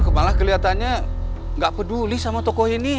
malah kelihatannya nggak peduli sama tokoh ini